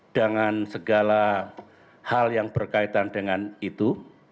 dengan segala hal yang berkaitan dengan itu